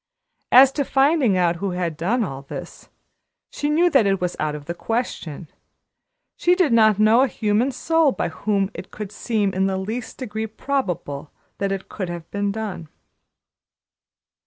As to finding out who had done all this, she knew that it was out of the question. She did not know a human soul by whom it could seem in the least degree probable that it could have been done.